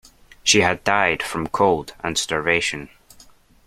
She had died from cold and starvation.